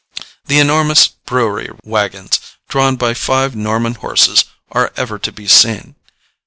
The enormous brewery wagons, drawn by five Norman horses, are ever to be seen.